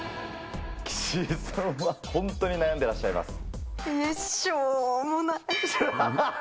岸井さんは本当に悩んでらっしょうもなっ。